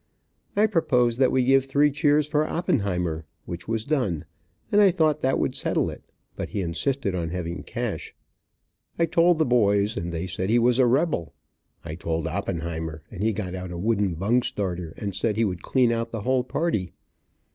I proposed that we give three cheers for Oppenheimer, which was done, and I thought that would settle it, but he insisted on having cash. I told the boys, and they said he was a rebel. I told Oppenheimer, and he got out a wooden bung starter, and said he could clean out the whole party.